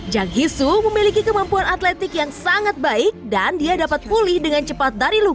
jang hisu memiliki kemampuan atletik yang sangat baik dan dia dapat pulih dengan cepat dari luar